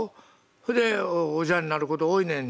ほいでおじゃんになること多いねん」。